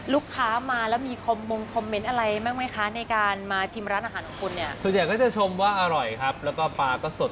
ลูกค้ามาแล้วมีคำมุมคอมเมนต์อะไรแม่งไหมคะ